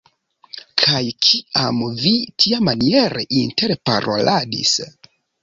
Kaj, kiam vi tiamaniere interparoladis?